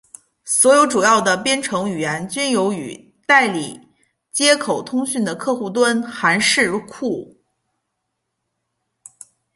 所有主要的编程语言均有与代理接口通讯的客户端函式库。